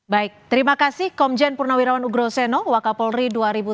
baik terima kasih komjen purnawirawan ugro seno wakapolri dua ribu tiga belas dua ribu empat belas